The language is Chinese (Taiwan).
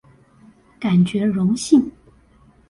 感覺榮幸